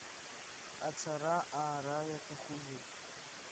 Ацара-аара иаҭахузеи.